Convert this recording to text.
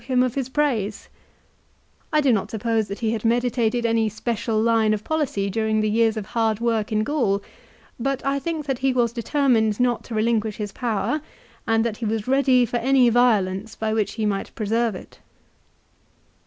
57. j^ m Q f j^ g p ra j se j ^0 not suppose that he had meditated any special line of policy during the years of hard work in Gaul, but I think that he was determined not to relinquish his power and that he was ready for any violence by which he might preserve it.